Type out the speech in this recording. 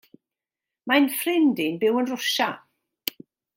Mae'n ffrind i'n byw yn Rwsia.